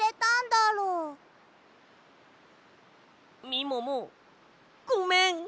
みももごめん！